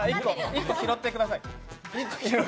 １個拾ってください。